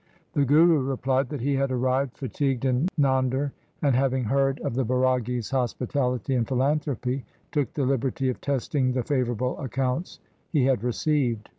The Guru replied that he had arrived fatigued in Nander, and having heard of the Bairagi's hospitality and philanthropy, took the liberty of testing the favourable accounts he had received.